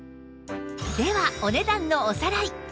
ではお値段のおさらい